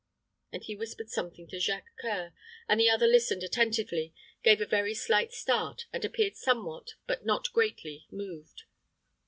and he whispered something to Jacques C[oe]ur. The other listened attentively, gave a very slight start, and appeared somewhat, but not greatly moved.